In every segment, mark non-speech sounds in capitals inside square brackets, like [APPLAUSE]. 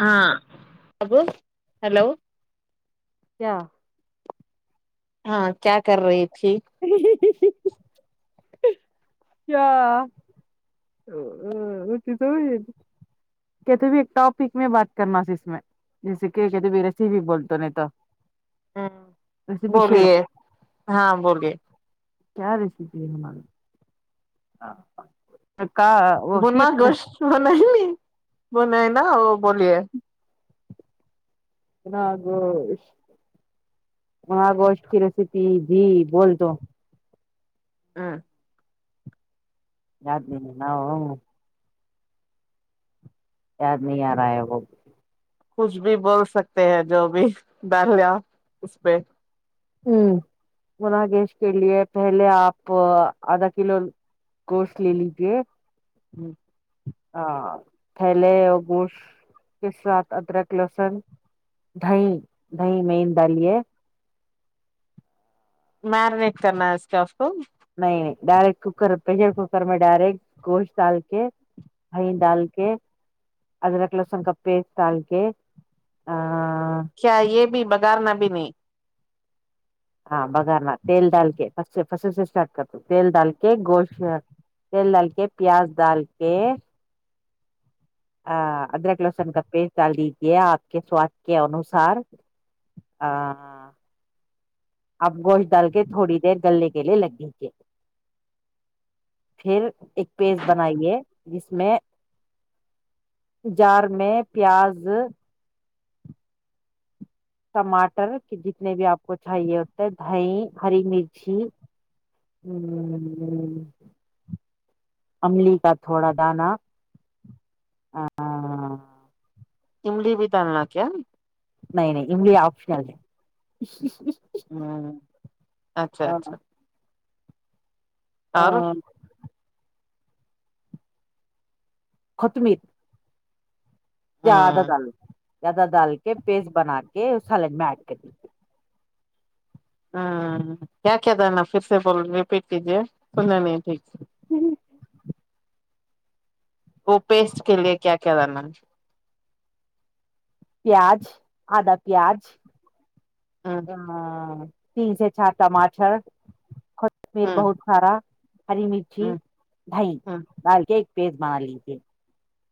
ہاں ببو ہلو ا کیا ہاں کیا کر رہ ہ کیا کہتے ایک ٹاپک میں بات کرنا اس میں جیسے کہ کہتے رسی بھیک بول تو نہیں تو ہ ریسیپی شیئر بولیے ہاں بولیے کیا ریسی ہے ہماری کا وہ بنا شیئر گش بنائ نہیں بنائ نہیں ن وہ بولیے گگوش کی ریسیپی جی بول تو ہاں یااد دن نا یاد نہیں آ رہا ہے وہ کچھ بھی بول سکتے ہیں جو بھی ڈالیا اس پہ ہ مناگیش کے لیے پہلے آپ آدھا کلو گوشت لے لیجے جی ہاں تھیلے اور گوشت کے ساتھ ادرک لہسن دہ دہ میںین ڈالیے میرنیٹ کرنا ہے اس کے اس کو نہیں نہیں ڈائریکٹ کوکر پشر کوکر میں ڈائریکٹ گوشت ڈال کے دہ ڈال کے ادرک لہسن کا پیس ڈال کے بگار نبین ہاں بگانا تیل ڈال کے فس سے فس سے اسٹارٹ کر د تیل ڈال کے گوشت تیل ڈال کے پیاز ڈال کے ادرک لہسن کا پیسٹ ڈال دیجیے آپ کے سواد کے انوسار اب گوشت ڈال کے تھوڑی دیر گلنے کے لیے لگ گئی تھ پھر ایک پیس بنائیے جس میں جار میں پیاز ٹماٹر کی جتنے بھی آپ کو چاہیے ہوتے دہ ہری مرچی ا املی کا تھوڑا دانہ ا املی بھی تاننا کیا نہیں نہیں انلی آپشنل ہے ہوں اچھا اچھا ہ اور خطمید زیادہ ہاں ڈال زیادہ ڈال کے پیسٹ بنا کے کہ سالڈ میں ایڈ کر دی ہاں کیا کہےد ن فرس بول ریپٹجے کنان ا ہوں وہ پیسٹ کے لیے کیا کیا رہ ن پیاز آدا پیاز ہوں ہاں پیز ہے چار ٹماٹر میر ہوں بہت سارا ہری مرچھی ہوں دہ ہمم ڈال کے پیز بار لیجیے [UNINTELLIGIBLE]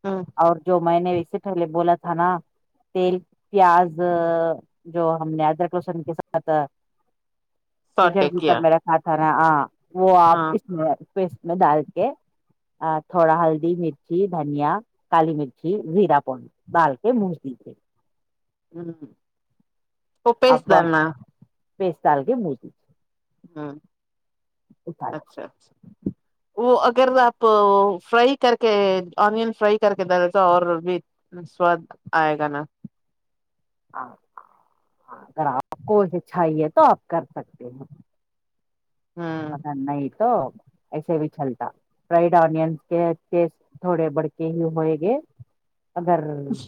ہاں اور جو میں نے اس سے پہلے بولا تھا نا تیل پیاز جو ہم نے ادرک روشن کے ساتھ پریشر سوٹے کوکر کیا میںیرکھھ تھا آ [INAUDIBLE] وہ آپ ہاں اس میں پس میں ڈال کے تھوڑا ہلدی مرچی دھنیا کالی مرچی زیرا پن بال کے مج دی تھے ہ [INAUDIBLE] تو پس دام ن پس تال کے بوج ہاں اچھا اچھا وہ اگر آپ فرائی کر کے آنن فرائی کر کے ڈے تو اور بھی سواد آئے گا نا اگر آپ کو چاہیے تو آپ کر سکتے ہیں ا ہمم نہیں تو ایسے چلتا فڈ آن کےس تھوڑے بڑک ہی ہوئے گے ادگر [UNINTELLIGIBLE]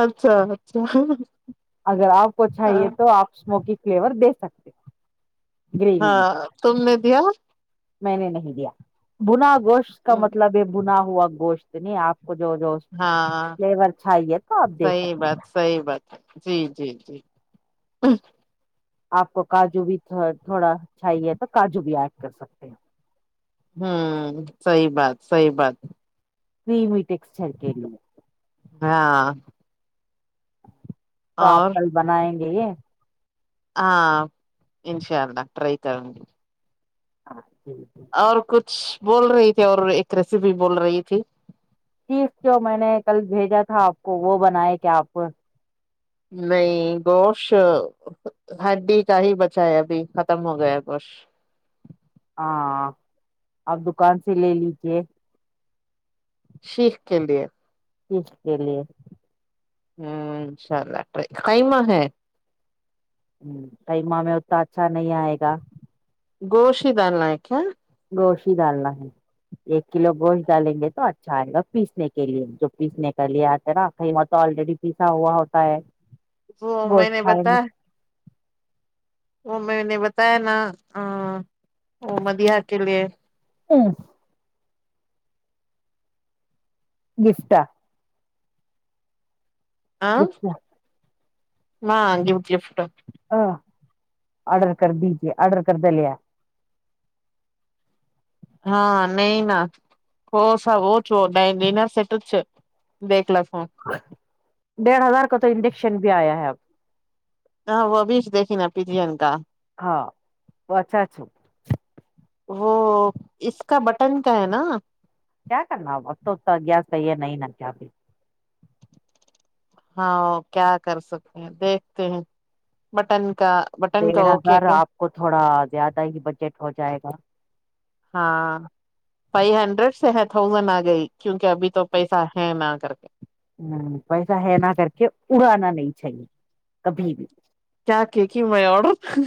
اچھا اچھا اگر آپ کو چاہیے تو آپ اسموکی فلیور دے سکتے ہو گریوی میں ہاں تم نے کیا میں نے نہیں دیا بنا وش کا مطلب بنا بھنا ہوا گوشت میں آپ کو جو جو ہاں فلیور چاہیے تو آپ دے سی سکتے بات سی بات ہے جی جی جی آپ کو کاجو بھی تھوڑا چاہیے تو کاجو بھی ایڈ کر سکتے ہیں ہمم صحیح بات صحیح بات فمیٹیکسچر کے ل ہاں تو آپ اور کل بنائیں گے یہ ہاں انشاء اللہ ٹرائی کروں گی ہاں جی جی اور کچھ بول رہی تھی اور ایک ریسیپی بول رہی تھی شیخ جو میں نے کل بھیجا تھا آپ کو وہ بنائے کیا آپ نہیں گوشت ہڈی کا ہی بچا ہے ابھی ختم ہو گیا ہے گوشت ہاں آپ دکان سے لے لیجے شیخ کے لے شیخ کے لیے انشاءاللہ ٹرائی کروں قیمہ ہے ہ کما میں اتتا اچھا نہیں آئے گا گوشت ہی ڈالنا ہے کیا گوشت ہی ڈالنا ہے ایک کلو گوشت ڈالیں گے تو اچھا آئے گا پیسنے کے لیے جو پیسنے کا لیے آتا رہایں وہ تو آلریڈی پیسا ہوا ہوتا ہے وہ میں گوشت نے کھائیں بتا وہ میں نے بتایا نا وہ مدیحہ کے لیے [INAUDIBLE] گفت [INAUDIBLE] ہاں گفٹ گفٹ گفٹ ا آڈر کر دیجیے آرڈر کرڈالے ہاں نہیں ن ہو سب وہ چ ڈ ڈنر سٹچ دیکھ ل ہوں ڈیڑھ ہزار کا تو انجیکشن بھی آیا ہے اب ہاں وہ بھیچ دیکھے نا پی جین کا ہاں وہ اچھا وہ اس کا بٹن کا ہے نا کیا کرنا و و گس کہیے نہیں نا کیا بی کیا کر سکتے ہیں دیکھتے ہیں بٹن کا بٹن کا دھا اوکے سر کیا آپ کو تھوڑا زیادہ ہی بجٹ ہو جائے گا ہاں فائیو ہنڈریڈ سے ہے تھازینڈ آ گئی کیونکہ ابھی تو پیسہ ہے نہ کر کے ہ پیسہ ہے نہ کر کے اڑانا نہیں چاہیے کبھی بھی کیا کیک ہی میں آڈر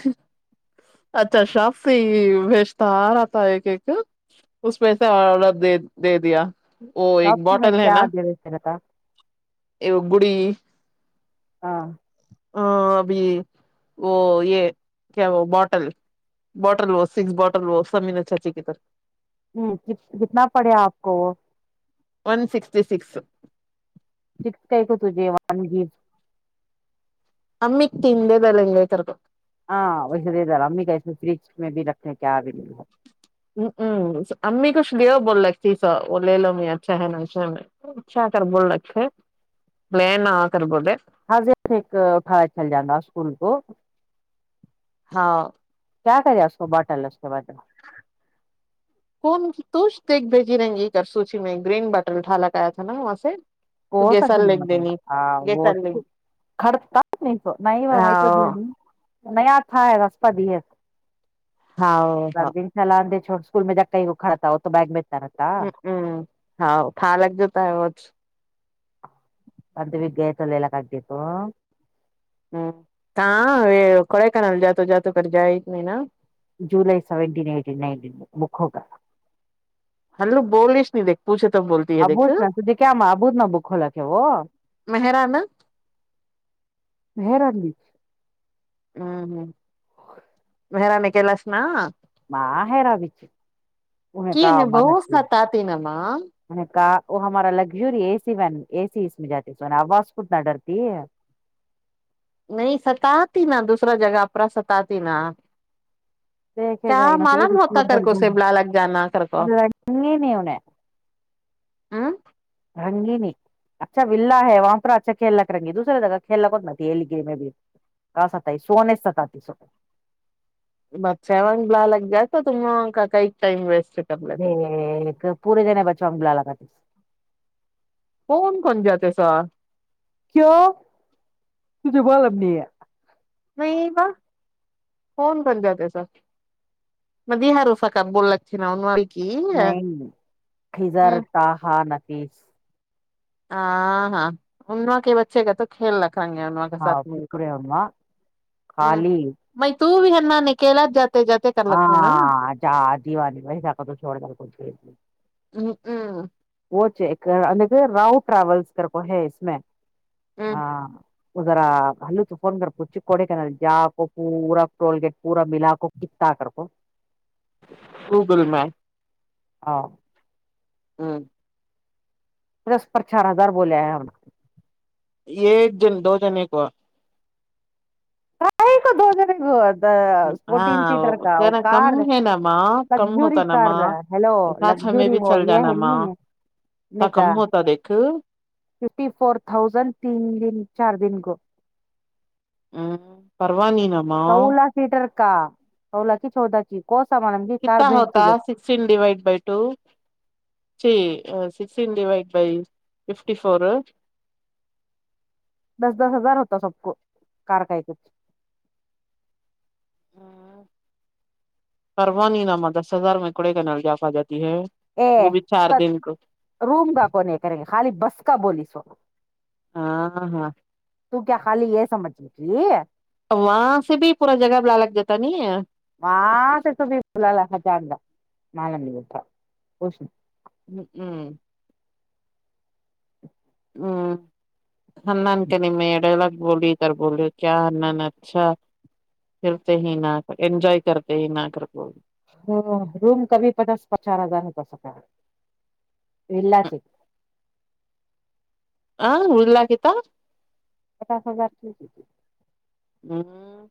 اچھا شاپ سے ہی بھیجتا آ رہا تھا یہ کیک اس پ سے آڈر دے دے دیا وہ ایک سب میں بوٹل ہے کیا نا دے رہتا ایک گڑی ہاں ہ اب وہ یہ کیا وہ بوٹل بوٹل وہ سکس بوٹل وہ سب ا چاچیےر ہ کتنا پڑے آپ کو وہ ون سکسٹی سکس سکس کا کو تھے ون گ ہممیک تندے دلن گے کررک ہاں ویسے دے امی کا فریج میں بھی رکھ کیا بھی ہ امی کچھ لو بول رکھ چی سو وہ لے لو امی اچھا ہے نا اچھا اچھا آ کر بول رکھے لے نا آ کر بولے ہضر ا کھاڑا چل جان رہا اسکول کو ہاں کیا کرے اس کو باٹل اس کے باٹل کون توچ دیکھ بھیجی رہیں گی کر سوچی میں گرین بٹر اٹھا لک آیا تھا نا وہاں سے تو گیسر لکھ دینی سا وہ گیسر لکھ تو کڑتا نہیں تو نہیں میں تو ہاں د نیا تھا ہے رپہ دے ہاں سر ہاں دن چلان دے چھ اسکول میں جب کہیں وہ کھڑا ہو تو بیگ میں ہ ہ ہاں کاں لگ جتا ہےج بد بیگ گ آت اللہ کگتییک ہ ہ کوڑ کانل جات جاتات کرھر جائے نہیں نا جول سیینٹین ایٹی نن بک ہوگا ہلو بولس نہیں دیکھ پوچھے تب بولتی ہے دیکھ ابوت نا تجھے کیا ابوت نا بک ہولاک وہ مہرانا ہیرا ہاں ہوں مران کےلاس نا ماں حیرا بچ ان کی کہا بہت نتی ستاتی نا ماں کاا وہ ہمارا لگژوری اے سی و اے سی اس میں جاتی س آواز کتنا ڈرتی ہے نہیں ستاتی نا دوسرا جگہ پرا ستاتی نا دیکھے کیا جائے معالم ہوتا کر کو سبلہ لگ جانا کر کو نے ہاں رنگی نہیں اچھا ولہ ہے وہاں پر اچھا کھیلنا کرنگی دوسرے جگہ کھیلنا کو نہتیلی گی میں بھی کہ ستا سونے ستتی سو بچچا وگ بلا لگ گیا تو تم کا کا ٹائم وسٹ ہ پورے جنے ب چمگلہ لگاٹیس فون کون جاتات سر کیوں تھے بب نہیں ہے نہیں ب فن بن جاتات سا م د ہارو سا کا بوللا چے نا ان نہیں کزر ت ہا تیس آ ہاں انمکی بچے گت کل لک ہاں پورورے ام خالی ت تو بھی ہےنا نکلا ج ہاں جا دیوانی و س کو تو چھوڑ د کو وہ یک راؤ ٹراولس کر کو ہے اس میں ہاں اذارا ہلو توفن گار پچک کوڈے کہ جاپ پورا ٹول گٹ پورا ملا ک کت کررپ گوگل میپ ہاں [INAUDIBLE] ہوں پلس پر چار ہزار بول ہے ہم یہ ایک جن دو جنے ایک ہوا پرائے کو دو جنے گ فورٹین ہاں سیٹر کا کہ وہ نا کم کار ہے نا ماں کم ہوتا لگزی نا کار ماں ہیلو ساتھ ہمیں لگزی بھی وہ چل یہ جانا ہے ماں نہیں اتنا کہا کم ہوتا دیکھ ہ ف فور تھازینڈ تین دن چار دن کو ہو [INAUDIBLE] و نینام ل کی چودا کی کو سامان کی کار کتا بھیج ہوتا تجھے سکسٹی ڈوائڈ بائی ٹو جی سڈ ب فٹی ف دس دس ہزار ہوتا سب کو کار کا ایکچ پ نہیں نہ دس ہزار میںکڑے کہ ن ج آفا جات ا س روم کاا کونے کر گ خالی بس کا بولیسو ہاں ہاں تو کیا خالی یہ سمجھ [INAUDIBLE] وہاں سے بھی پورا جگہ بھیلا لگ جاتا ن مع سے س بھی ل ہ جان گ مال بتا خوش ہ ہ [INAUDIBLE] ا [INAUDIBLE] ہ ہان کے نگ بولی تر بلی کیا ہان اچھا کرلتے ہی نہ کر انجوائے کرتے ہی نہ کرتے ہ روم کب پچاس چار ہزار وا چ [UNINTELLIGIBLE] ہ ارلا کتا پچاس ہزار کی ہاں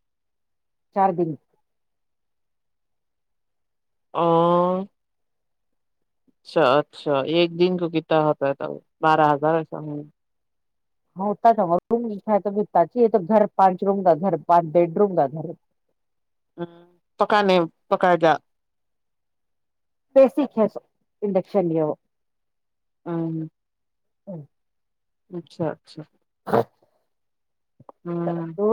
چار دن ہ [INAUDIBLE] اچھا اچھا ایک دن کو کتنا ہوتا ہے تھا بارہ ہزار ایسا ہاں ا چاہ گ روم تو یہ تو گھر پانچ روم کا گھر پانچ بیڈ روم کا گھر ہ پکانے پکا جا پسسو انڈکشن ل وہ ہاں ہ ہ اچھا اچھا ہاں ہوں سرسو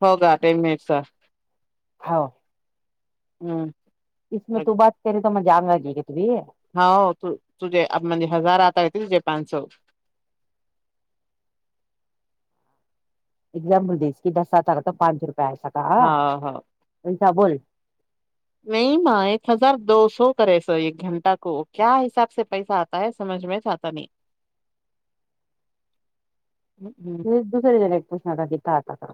ہوگا ٹ منٹسا ہاں ہوں اس میں تو بات کرے تو م جام آگے گ ت بھی ہاں تجھے مے ہزار آتا رہتے تھے پان سو ایگزامپل دس کے دساتارا تو پانچ روپئے پ س کاا ہ ان بول نہیں ماں ایک ہزار دو سو کرے سر ایک گھنٹہ کو کیا حساب سے پیسہ آتا ہے سمجھ میں آتا نہیں ہوں، ہوں، دوسرے جگ ایک پرشن آ تھا گتا آ کرر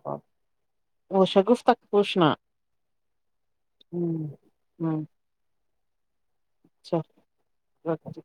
وہ شگف تک پوچھنا ہوں اچھا اچا